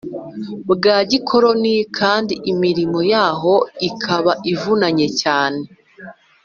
Bwa gikoroni kandi imirimo yaho ikaba ivunanye